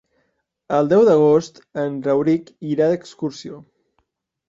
El deu d'agost en Rauric irà d'excursió.